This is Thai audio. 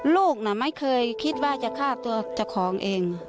ลูกน่ะไม่เคยคิดว่าจะฆ่าตัวเจ้าของเอง